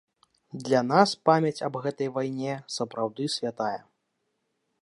Для нас памяць аб гэтай вайне сапраўды святая.